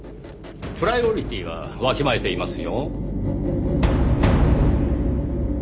プライオリティーはわきまえていますよ。